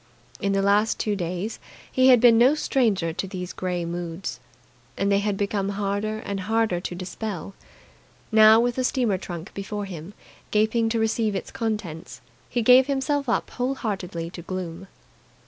In the last two days he had been no stranger to these grey moods, and they had become harder and harder to dispel. Now, with the steamer trunk before him gaping to receive its contents, he gave himself up whole heartedly to gloom.